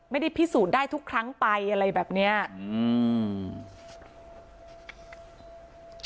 ไม่ได้พิสูจน์ได้ทุกครั้งไปอะไรแบบเนี้ยอืม